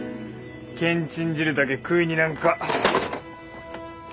けんちん汁だけ食いになんか。